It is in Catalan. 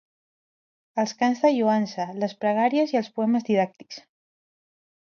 Els cants de lloança, les pregàries, i els poemes didàctics.